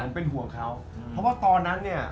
เป็นห่วงเขาเพราะว่าตอนนั้นเนี่ย